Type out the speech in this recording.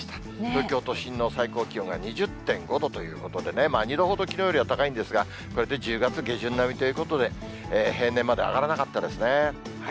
東京都心の最高気温が２０．５度ということでね、２度ほどきのうよりは高いんですが、これで１０月下旬並みということで、平年まで上がらなかったですね。